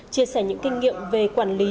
chia sẻ những kinh nghiệm về quản lý